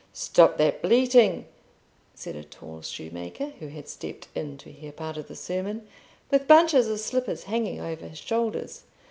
"Stop that bleating," said a tall shoemaker, who had stepped in to hear part of the sermon, with bunches of slippers hanging over his shoulders.